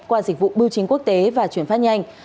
qua dịch vụ bưu chính quốc tế và chuyển phát nhanh